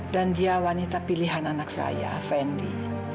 dan dia wanita pilihan anak saya fendi